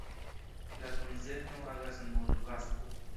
La konzerno agas mondvaste.